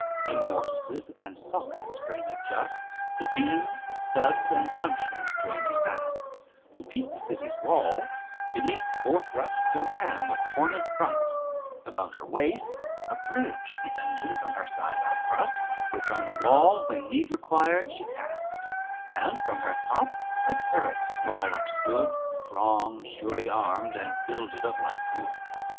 XLIV In mortices and sockets framed just, The beams, the studs and puncheons joined he fast; To beat the city's wall, beneath forth brust A ram with horned front, about her waist A bridge the engine from her side out thrust, Which on the wall when need she cast; And from her top a turret small up stood, Strong, surely armed, and builded of like wood.